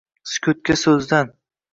sukutga so’zdan.